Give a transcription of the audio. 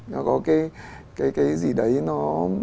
nó có cái gì đấy nó